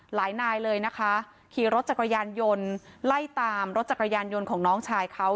นายเลยนะคะขี่รถจักรยานยนต์ไล่ตามรถจักรยานยนต์ของน้องชายเขา